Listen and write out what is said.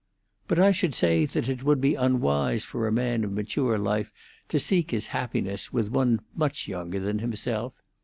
"But I should say that it would be unwise for a man of mature life to seek his happiness with one much younger than himself.